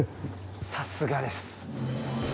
さすがです！